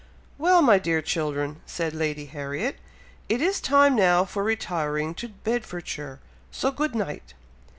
"Well! my dear children," said Lady Harriet, "it is time now for retiring to Bedfordshire; so good night."